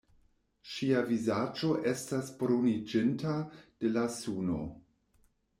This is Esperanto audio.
Ŝia vizaĝo estas bruniĝinta de la suno.